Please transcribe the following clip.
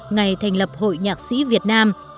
ngày thành lập hội nhạc sĩ việt nam